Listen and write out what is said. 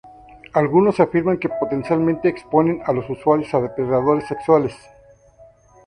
Algunos afirman que potencialmente exponen a los usuarios a depredadores sexuales.